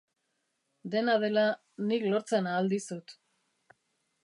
Dena dela, nik lortzen ahal dizut.